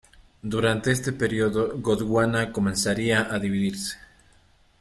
Durante este período, Gondwana comenzaría a dividirse.